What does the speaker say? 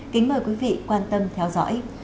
kính mời quý vị quan tâm theo dõi